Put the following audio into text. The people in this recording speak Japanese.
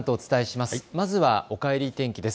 まずはおかえり天気です。